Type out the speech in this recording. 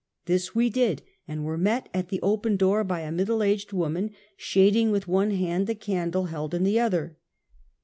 This we did, and were met at the open door by a middle aged woman, shading with one hand the candle held in the other.